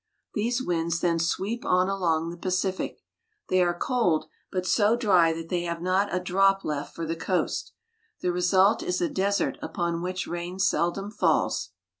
These winds then sweep on along the Pacific. They are cold, but so dry that they have not a drop left for the coast. The result is a desert upon which rain seldom falls.